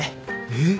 えっ？